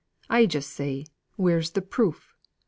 I just say, where's the proof?